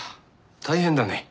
大変だねえ。